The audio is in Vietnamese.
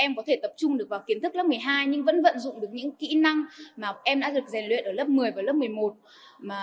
em có thể tập trung được vào kiến thức lớp một mươi hai nhưng vẫn vận dụng được những kỹ năng mà em đã được rèn luyện ở lớp một mươi và lớp một mươi một